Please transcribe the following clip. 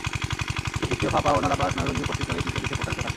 একটি পৃষ্ঠীয় ফাঁপা ও নলাকার স্নায়ুরজ্জু পৌষ্টিকনালির পৃষ্ঠদেশে প্রসারিত থাকে।